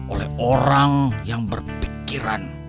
oleh orang yang berpikiran